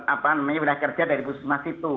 apa namanya wilayah kerja dari puskesmas itu